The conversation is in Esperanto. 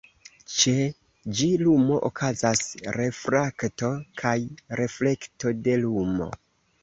Ĉe ĝi lumo okazas refrakto kaj reflekto de lumo.